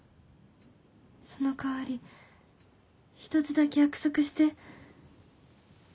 その代わり１つだけ約束して